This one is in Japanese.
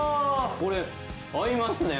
これ合いますね